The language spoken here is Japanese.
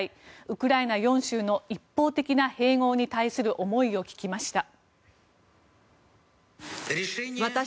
ウクライナ４州の一方的な併合に対する思いを聞きました。